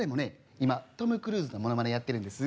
今トム・クルーズのものまねやってるんです。